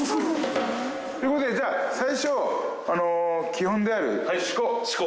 ということでじゃあ最初基本である四股。